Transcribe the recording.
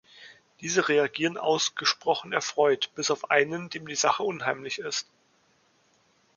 Diese reagieren ausgesprochen erfreut bis auf einen, dem die Sache unheimlich ist.